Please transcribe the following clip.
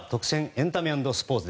エンタメ＆スポーツ。